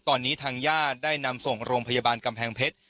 ตอนนี้ทางญาติได้นำส่งโรงพยาบาลกำแพงเพชร